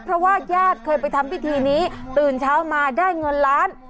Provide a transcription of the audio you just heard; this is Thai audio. เพราะว่าญาติเคยไปทำพิธีนี้ตื่นเช้ามาได้เงินล้าน